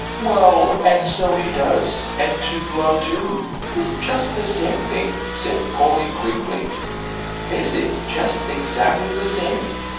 "Well, and so he does, and to blow, too, it's just the same thing," said Polly, quickly. "Is it just exactly the same?"